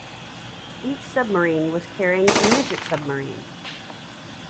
Each submarine was carrying a midget submarine.